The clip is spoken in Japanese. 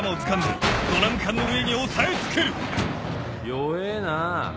弱えぇな